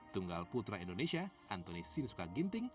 tunggal putra indonesia antoni sinsuka ginting